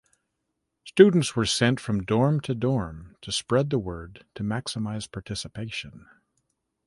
Students were sent from dorm to dorm to spread the word to maximize participation.